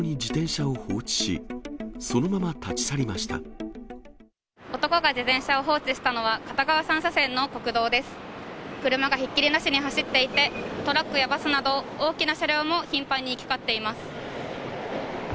車がひっきりなしに走っていて、トラックやバスなど、大きな車両も頻繁に行き交っています。